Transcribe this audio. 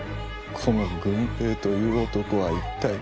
この「郡平」という男は一体。